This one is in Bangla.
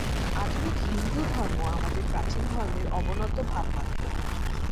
আধুনিক হিন্দুধর্ম আমাদের প্রাচীন ধর্মের অবনত ভাবমাত্র।